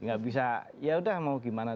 nggak bisa ya udah mau gimana